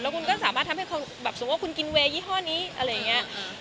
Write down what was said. คุณก็สามารถทำให้แบบสมมุติว่าคุณกินเวย์ยี่ห้อนี้อะไรอย่างนี้